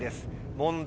問題